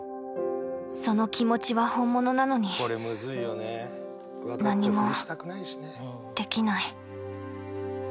その気持ちは本物なのに何もできない。